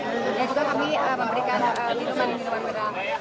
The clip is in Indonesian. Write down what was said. dan juga kami memberikan minuman yang di depan depan